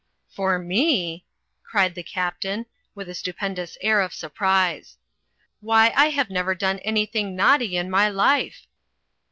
'Tor me !" cried the Captain, with a stupendous air of surprise. "Why, I have never done anything naughty in my life."